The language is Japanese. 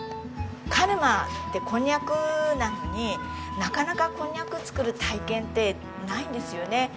鹿沼ってこんにゃくなのになかなかこんにゃく作る体験ってないんですよね。